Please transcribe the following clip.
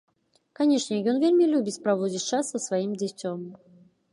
Канечне, ён вельмі любіць праводзіць час са сваім дзіцём.